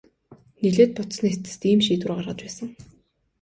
Нэлээд бодсоны эцэст ийм шийдвэр гаргаж байсан.